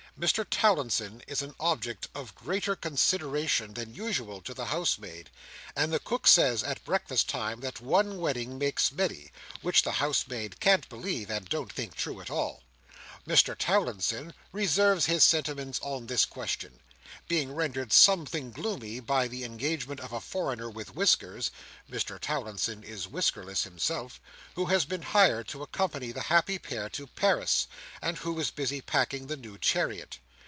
Mr Towlinson is an object of greater consideration than usual to the housemaid, and the cook says at breakfast time that one wedding makes many, which the housemaid can't believe, and don't think true at all. Mr Towlinson reserves his sentiments on this question; being rendered something gloomy by the engagement of a foreigner with whiskers (Mr Towlinson is whiskerless himself), who has been hired to accompany the happy pair to Paris, and who is busy packing the new chariot.